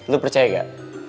lo percaya gak